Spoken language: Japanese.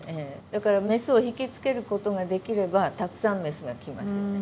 だからメスを引き付けることができればたくさんメスが来ますよね。